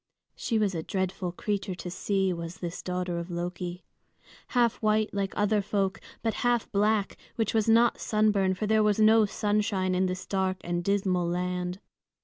She was a dreadful creature to see, was this daughter of Loki, half white like other folk, but half black, which was not sunburn, for there was no sunshine in this dark and dismal land.